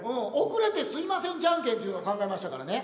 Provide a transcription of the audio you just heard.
遅れてすいませんジャンケンっていうのを考えましたからね。